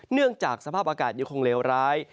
เนื่องจากสภาพอากาศยังคงเลวร้าย